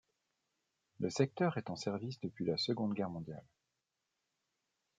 Le secteur est en service depuis la Seconde Guerre mondiale.